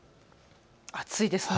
暑いですね。